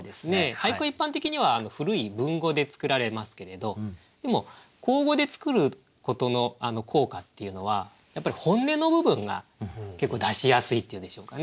俳句は一般的には古い文語で作られますけれどでも口語で作ることの効果っていうのは本音の部分が結構出しやすいっていうんでしょうかね。